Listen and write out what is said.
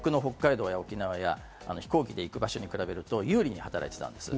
遠くの北海道や沖縄、飛行機で行く場所に比べると、有利に働いていたんです。